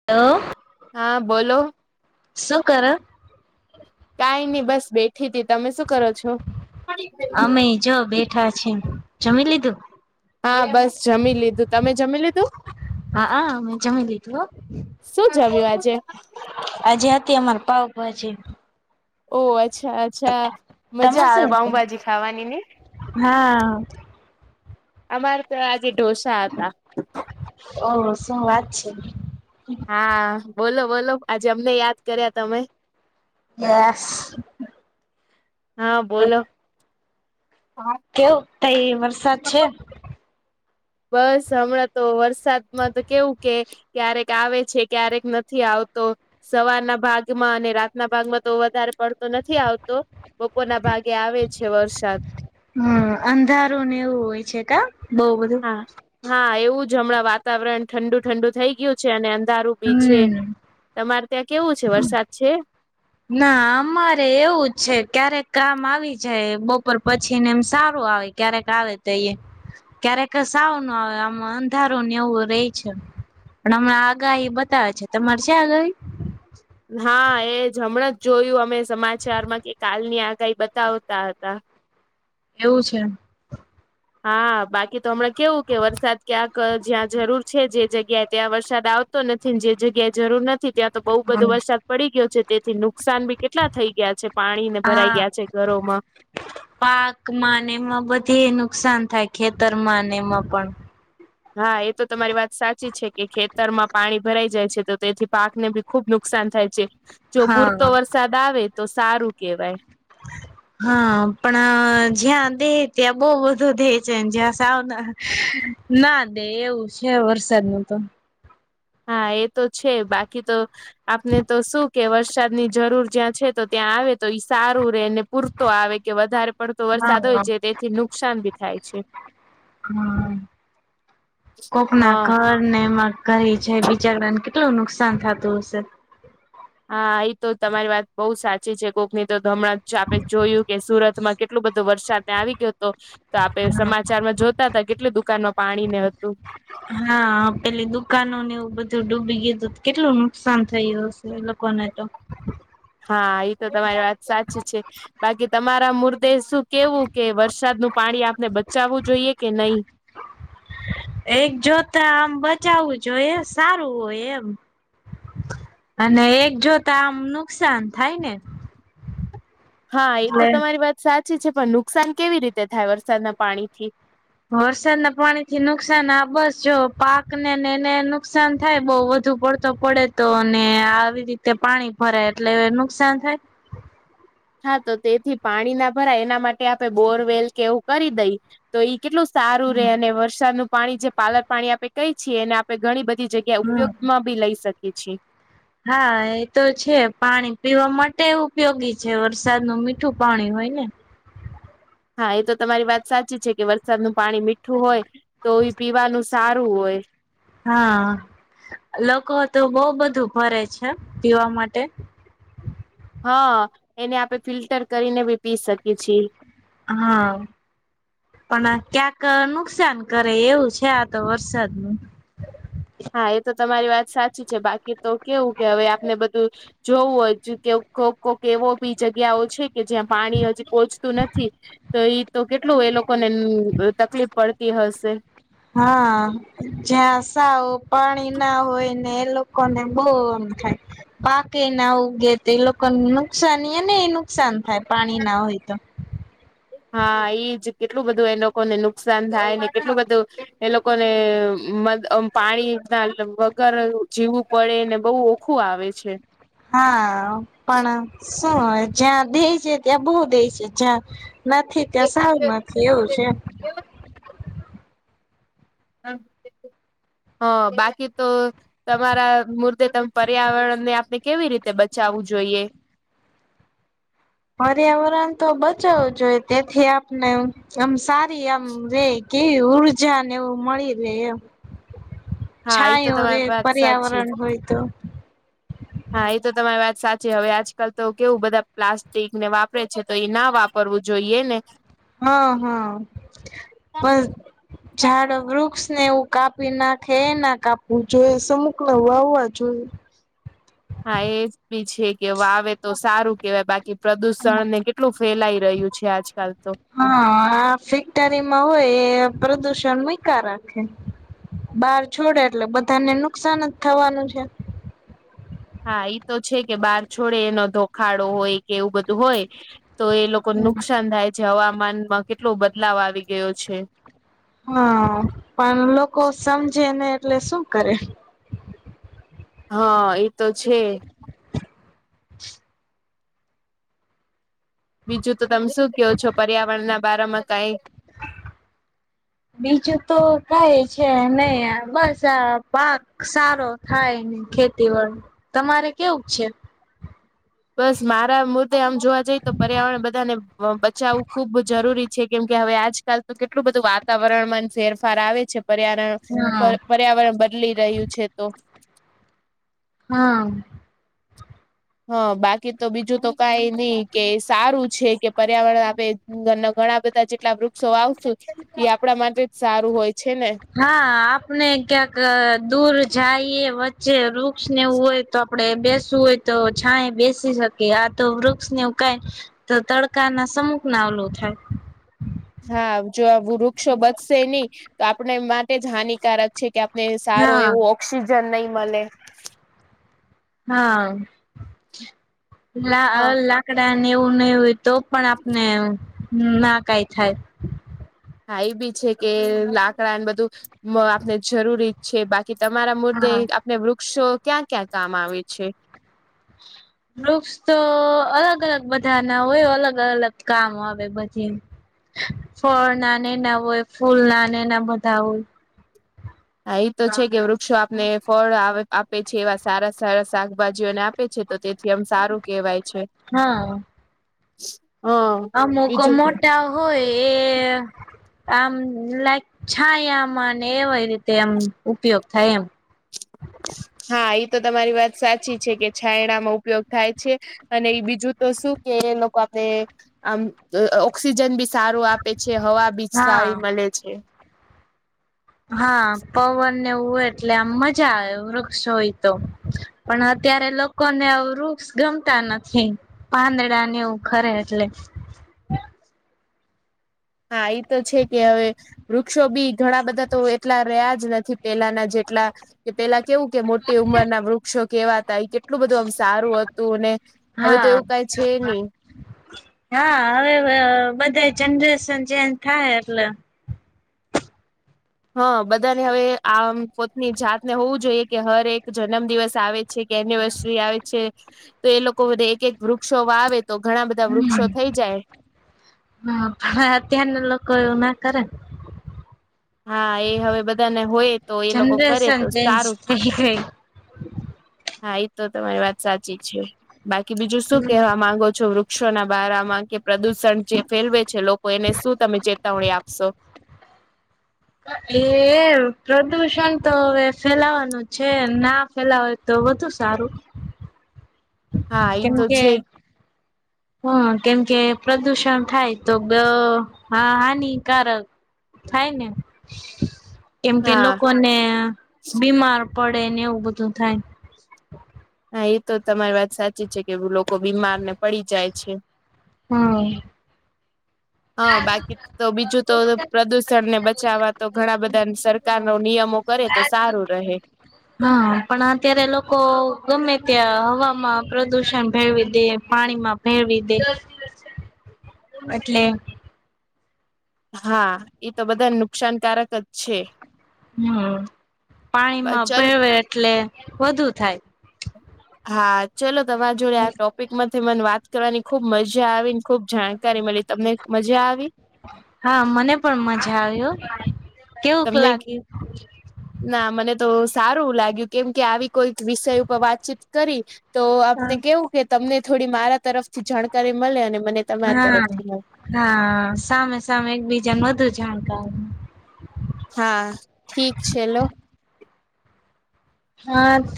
[unintelligible] હા, બોલો. શું કર? કઈ નહી બસ બેઠી હતી, તમે શું કરો છો? અમે જો બેઠા છીએ, જમી લીધું. હા બસ જમી લીધું, તમે જમી લીધું? હ હા, મે જમી લીધું હો. શું જમ્યું આજે આજે હતી, અમાર પાવભાજી. ઓહ, અચ્છા અચ્છા. મજા તમારે શુ આવે હતું પાઉભાજી ખાવાની ને હા. અમારે તો આજે ઢોસા હતા. ઓ શું વાત છે. હા બોલો બોલો આજે અમને યાદ કર્યા તમે. [unintelligible] હા, બોલો. કેવું તઈ વરસાદ છે? બસ હમણાં તો વરસાદમાં તો કેવું કે ક્યારેક આવે છે ક્યારેક નથી આવતો. સવારના ભાગમાં અને રાતના ભાગમાં તો વધારે પડતો નથી આવતો. બપોરના ભાગે આવે છે, વરસાદ હમ અંધારું ને એવું હોય છે, કા બઉ બધું હા હા એવું જ હમણાં વાતાવરણ ઠંડુ ઠંડુ થઈ ગયું છે અને અંધારું બી છે. હમ તમાર ત્યાં કેવું છે? વરસાદ છે. ના અમારે એવું જ છે ક્યારેક કામ આવી જાય બપોર પછી ને એમ સારું આવે. ક્યારેક આવે તો ક્યારેક સાવ ન આવે, આમ અંધારું ને એવું રે છે. પણ હમણાં આગાહી બતાવે છે, તમારે છે આગાહી? હા એજ હમણાં જ જોયું અમે સમાચારમાં કે કાલની આગાહી બતાવતા હતા. એવું છે. હા બાકી તો હમણાં કેવું કે વરસાદ ક્યાં જ્યાં જરૂર છે જે જગ્યાએ ત્યાં વરસાદ આવતો નથી જે જગ્યાએ જરૂર નથી ત્યાં તો બોવ બધો હમ. વરસાદ પડી ગયો છે, તેથી નુકસાન બી કેટલા થઈ ગયા છે પાણીને ભરાઈ ગયા છે ઘરોમાં પાકમા ને એમાં બધે નુકસાન થાય ખેતરમાંને એમાં પણ હા, એ તો તમારી વાત સાચી છે કે ખેતરમાં પાણી ભરાઈ જાય છે, તો તેથી પાક ને બી ખુબ નુકસાન થાય છે, જો પૂરતો હા. વરસાદ આવે, તો સારું કેહેવાય. હા પણ જ્યાં દે ત્યાં બોવ બધો દે છે ને, જ્યાં સાવના ના દે એવું છે, વરસાદ નું હા એ તો છે બાકી તો આપને તો શું કે વરસાદની જરૂર જ્યાં છે, તો ત્યાં આવે તો ઈ સારું રે ને પૂરતો આવે કે, વધારે પડતો વરસાદ હોય હા છે. જેથી નુકસાન બી થાય છે. હમ, કોકના હા ઘર એમાં કઈ [unintelligible] બિચારાને કેટલું નુકસાન થાતું હશે. હા એ તો તમારી વાત બોવ સાચી છે કોકની તો હમણાં જ આપણે જોયું કે સુરતમાં કેટલો બધો વરસાદને આવી ગયો હતો. તો આપે સમાચારમાં જોતા હતા કેટલી દુકાનમાં પાણી ને હતું. હા પેલી દુકાનો ને એવું બધું ડૂબી ગયું હતું કેટલું નુકસાન થયું. એ લોકો ને તો. હા, એ તો તમારી વાત સાચી છે. બાકી તમારા મુર્દે શું કેવું કે વરસાદનું પાણી આપને બચાવવું જોઈએ કે નહી. [unintelligible] એક જોતા આમ બચાવું જોઈ, સારું હોય એમ. અને એક જોતા આમ નુકસાન થાય ને. હા, એ તો એટલે તમારી વાત સાચી છે, પણ નુકસાન કેવી રીતે થાય વરસાદના પાણી થી? વરસાદ ના પાણી થી નુકસાન આ બસ જો પાક ને, ને એને નુકસાન થાય બઉ વધુ પડતું. પડે તો ને, આવી રીતે પાણી ભરાય એટલે નુકસાન થાય. હા, તો તેથી પાણી ના ભરાય, એના માટે આપે બોરવેલ કે એવું કરી દઈ. તો એ કેટલું સારું રે, હમ અને વરસાદનું પાણી જે પાલર પાણી આપણે કઈ છીએ, અનેને આપણે ઘણી બધી જગ્યા. ત્યા ઉપયોગ માં ભી લઈ શકે છીએ. હા, એ તો છે, પાણી પીવા માટે ઉપયોગી છે, વરસાદ ન મીઠું પાણી હોય ને. હા, એ તો તમારી વાત સાચી છે કે, વરસાદનું પાણી મીઠું હોય તો એ પીવાનું સારું હોય. હા, લોકો તો બહ બધું ભરે છે, પીવા માટે. હા, એને આપણે બી પી શકીએ છીએ. હા. પણ ક્યાંક નુકસાન કરે એવું છે, આ તો વરસાદ નું હા, એ તો તમારી વાત સાચી છે, બાકી તો કેવું કે, હવે આપને બધું. જોવું કે કોઈ કોઈક એવો જગ્યાઓ છે. કે પાણી પોહોચતું નથી. તો એઈ તો કેટલું એ લોકોને તકલીફ પડતી હશે. હા, જ્યાં સાવ પાણી ના હોય ને એ લોકો. કોને બહુ એમ થાય. પાકે એ ના ઉગે તો, એ લોકોને નુકસાનનીય એ નુકસાન થાય પાણી ના તો. હા, એઈજ કેટલું બધું એ લોકોને નુકસાન થાય ને, કેટલું બધું એ લોકો લોકોને પાણી ના વગર જીવવું પડે ને, બહુ ઓખું આવે છે. હા, પણ શું જ્યાં દે છે, ત્યાં બહુ દે છે જ્યાં નથી કે, સારું નથી એવું છે. હા, બાકી તો તમારા મુર્તે ત પર્યાવરણને, આપણે કેવી રીતે બચાવવું જોઈએ? પર્યાવરણ તો બચાવું જોઈ તેથી આપને આમ સારી આમ રે કેવી ઉર્જા ને એવું મળી રે એમ. હા એ તો છાયોરે તમારી વાત સાચી પર્યાવરણ હોયતું. હા, એ તમારી વાત સાચી, હવે આજકાલ તો બધા પ્લાસ્ટિકને વાપરે છે, તો એ ના વાપરે. કરવું જોઈએ ને. હા, હા, પણ ઝાડ-વૃક્ષ ને એવું કાપી નાખે, એ ના કાપવું જોઈએ, સમુકલા વાવવા જોઈએ. હા, એજ બી છે કે, વાવે તો સારું કેહેવાય બાકી પ્રદુષણને કે કેટલું ફેલાઈ રહ્યું છે, આજકાલ તો. હા, આ ફેક્ટરીમાં હોય એ, પ્રદુષણ મૂકા રાખે. બહાર છોડે, એટલે બધાને નુકસાન જ થવાનું છે. હા, એ તો છે કે, બહાર છોડે, એનો ધોખાડો હોય કે, એવું બધું હોય. તો એ લોકોને નુકસાન થાય છે, હવામાનમાં કેટલો બદલાવ આવી ગયો છે. હા, પણ લોકો સમજે નહી એટલે શું કરે? હ એ તો છે. બીજું તો તમે શું ક્યો છો પર્યાવરણના બારામાં કઈ? [inaudible] બીજું તો કઈ છે નહી બસ આ પાક સારો થાયને ખેતીવાડ તમારે કેવું છે? બસ મારા મતેે આમ જોવા જઈએ તો પર્યાવરણ બધાને બચાવવું ખુબ જરૂરી છે કેમ કે હવે આજ કાલ તો કેટલું બધું વાતાવરણમાં ફેરફાર આવે છે પર્યાવરણ પર હા પર્યાવરણ બદલી રહ્યું છે તો હા. હ બાકી તો બીજું તો કઈ નહી કે સારું છે કે પર્યાવરણ આપે ઘરના ઘણા બધા જેટલા વૃક્ષો વાવશુ એ આપડા માટે જ સારું હોય છે ને. હા આપને ક્યાંક દૂર જાઈએ વચ્ચે વૃ ક્ષ ને એવું હોય તો આપડે બેસવું હોય તો છાએ બેસી શકીએ આ તો વૃક્ષ ને એવું કઈ તો તડકા ના સમુખના ઓલું થાય. હા જો આ વૃક્ષો બચશે નહી તો આપણે માટે જ હાનિકારક છે કે આપને સારો હા એવો ઓક્સિજન નહી મલે હા લા હ લા કડા ને એવું નહી હોય તો પણ આપને ના કાઈ થાય. હા એ બી છે કે લાકડાને બધું આપને જરૂરી છે બા કી તમારા મુદ્દે હા આપને વૃક્ષો ક્યાં ક્યાં કામ આવે છે? [inaudible] વૃક્ષ તો અલગ અલગ બધા ના હોય અલગ અલગ કામ આવે બધે ફળના એના હોય ફૂલના એના બધા હોય. હા એ તો છે કે વૃક્ષો આપને ફળ આપે છે એવા સારા સારા શાકભાજીઓને આ પે છે તો તેથી આમ સારું કેવાય છે. હા. હા અમુક બીજું મોટા હોય એ આમ લાઈક છાયામાં ને એવા રીતે એમ ઉપયોગ થાય એમ. હા એતો તમારી વાત સાચી છે કે છાયડામાં ઉપયોગ થાય છે. અને બીજું તો શું કે લોકો આપડે આમ ઓક્સિજન બી સારું આપે છે હવા બી હા સારી મલે છે. હા પવનને એવું હોય એટલે આમ મજા આવે વૃક્ષ હોય તો. પણ અત્યારે લોકોને વૃક્ષ ગમતા નથી. પાંદડાને એવું ખરે એટલે. હા એ તો છે કે હવે. વૃક્ષો બી ઘણા બધા તો એટલા રહ્યા જ નથી પેલાના જેટલા કે પેલા કેવું કે મોટી ઉંમરના વૃક્ષો કેવાતા કેટ આટલું બધું આમ સારું હતું ને હવે તો હા એવું કઈ છે નહી. હા હવે બધા જનરેશન ચેન્જ થાય એટલે. હા બધાને હવે આમ પોતની જાતને હોવું જોઈએ કે હર એક જન્મ દિવસ આવે છે કે એનિવર્સરી આવે છે તો એ લોકો બધે એક એક વૃક્ષો વાવે તો ઘણા બધા વૃક્ષો થઈ જાય. હા પણ અત્યારના લોકો એવું ના કરે. હા એ હવે બધાને હોય તો એ લોકો કરે જનરેશન તો ચેન્જ સારું. થઈ ગઈ હા એ તો તમારી વાત સાચી છે. બાકી બીજું શું હમ કેહવા માંગો છો? વૃક્ષો ના બારામાં કે પ્રદુષણ જે ફેલવે છે. લોકો એને શું તમે ચેતવણી આપશો? એ-એ પ્રદુષણ તો અવે ફેલાવાનું છે, ના ફેલાવાય તો વધુ સારું. હા ઈ તો છે. હ કેમકે પ્રદુષણ થાય તો બ હા-હાનિકારક થાય ને કેમ કે હા લોકોને બીમાર પડે ને એવું બધું થાય. હા એ તો તમારી વાત સાચી છે કે, લોકો બીમારને પડી જાય છે. હ. અં બાકી તો બીજું તો પ્રદુષણ ને બચાવવા તો ઘણા બધાન સરકાર નો નિયમો કરે તો સારું રહે. હાં પણ અત્યારે લોકો ગમે ત્યાં હવામાં પ્રદુષણ ભેળવી દે. પાણીમાં ભેળવી દે એટલે હા એ તો બધાન નુકસાનકારક જ છે. હમ્મ, પાણીમાં ચલો ભેળવે એટલે વધુ થાય. હા ચલો, તમાર જોડે આ ટોપ પિક માંથી મને વાત કરવાની ખુબ મજા આવીન, ખુબ જાણકારી મલી. તમને મજા આવી? હા, મને પણ મજા આવી હો. તમને [inaudible] ના. મને તો સારું લાગ્યું કેમ કે, આવી કોઈક વિષય ઉપર વાતચીત કરી તો આપને કેવું કે તમને થોડી મારા તરફથી જાણકારી મલે અને મને તમારા હા, તરફથી મળે હા. સામે સામે એકબીજાને વધુ જાણકાર હા, ઠીક છે લો. હા ત.